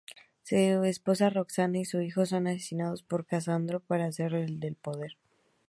Su esposa Roxana y su hijo son asesinados por Casandro para hacerse del poder.